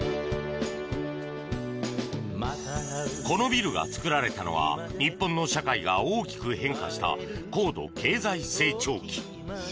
このビルが作られたのは日本の社会が大きく変化した高度経済成長期。